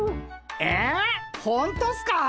えほんとっすか？